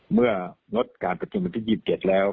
เมื่องดการประชุมวันที่๒๗แล้ว